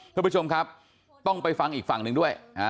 คุณผู้ชมครับต้องไปฟังอีกฝั่งหนึ่งด้วย